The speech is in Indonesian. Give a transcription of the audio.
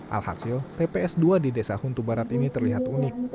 alhasil tps dua di desa huntubarat ini terlihat unik